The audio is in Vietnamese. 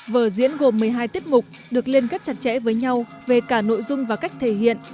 vở diễn gồm một mươi hai tiết mục được liên kết chặt chẽ với nhau về cả nội dung và cách thể hiện